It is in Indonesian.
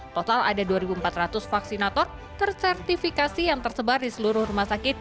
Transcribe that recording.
total ada dua empat ratus vaksinator tersertifikasi yang tersebar di seluruh rumah sakit